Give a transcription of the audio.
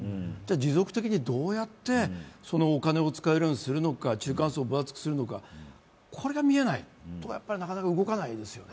持続的にどうやってそのお金を使えるようにするのか中間層を分厚くするのかこれが見えないとなかなか動かないですよね。